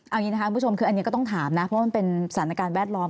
เอาอย่างนี้นะคะคุณผู้ชมคืออันนี้ก็ต้องถามนะเพราะมันเป็นสถานการณ์แวดล้อม